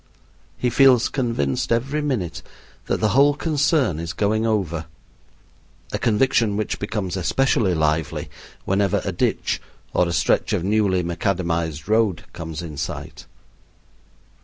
He feels convinced every minute that the whole concern is going over, a conviction which becomes especially lively whenever a ditch or a stretch of newly macadamized road comes in sight.